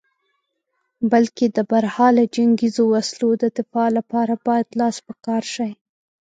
بلکې د برحاله جنګیزو وسلو د دفاع لپاره باید لاس په کار شې.